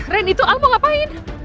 ren itu al mau ngapain